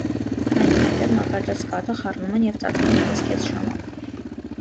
Այնուհետև, մակարդած կաթը խառնում են և ծածկում ևս կես ժամով։